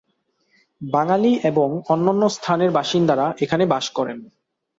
বাঙালি এবং অন্যান্য স্থানের বাসিন্দারা এখানে বাস করেন।